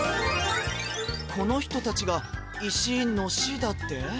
この人たちが「いしのし」だって？